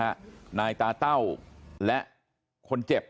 นายตาเต้าและคนเจ็บ